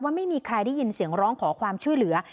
ไม่มีใครได้ยินเสียงร้องขอความช่วยเหลือ